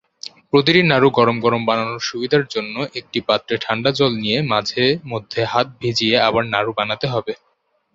প্রতিটি নাড়ু গরম গরম বানানোর সুবিধার জন্য একটি পাত্রে ঠাণ্ডা জল নিয়ে মাঝে মধ্যে হাত ভিজিয়ে আবার নাড়ু বানাতে হবে।